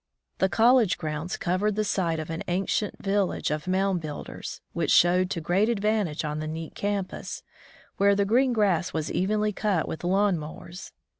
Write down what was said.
The col lege grounds covered the site of an ancient village of mound builders, which showed to great advantage on the neat campus, where the green grass was evenly cut with lawn mowers.